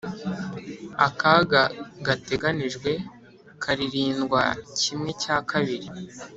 akaga gateganijwe karirindwa kimwe cya kabiri.